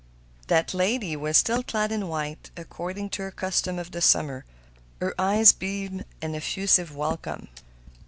That lady was still clad in white, according to her custom of the summer. Her eyes beamed an effusive welcome.